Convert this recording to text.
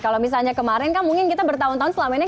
kalau misalnya kemarin kan mungkin kita bertahun tahun selama ini